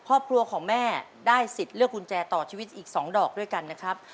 ครอบครัวของแม่ได้สิทธิ์เลือกกุญแจต่อชีวิตอีก๒ดอกด้วยกันนะครับ